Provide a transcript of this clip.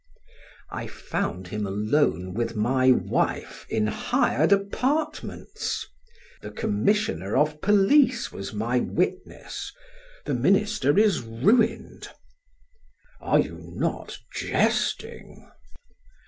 "I found him alone with my wife in hired apartments. The commissioner of police was my witness. The minister is ruined." "Are you not jesting?"